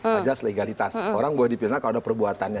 pajak legalitas orang boleh dipidana kalau ada perbuatannya